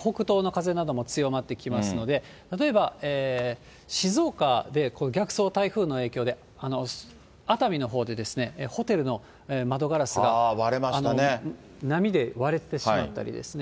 北東の風なども強まってきますので、例えば、静岡で逆走台風の影響で、熱海のほうでホテルの窓ガラスが波で割れてしまったりですね、